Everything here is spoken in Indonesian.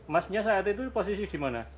masnya saat itu posisi di mana